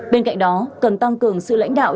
bên cạnh đó cần tăng cường sự lãnh đạo